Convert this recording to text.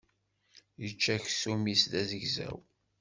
Yečča aksum-is d azegzaw.